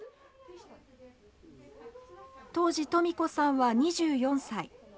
当時トミ子さんは２４歳。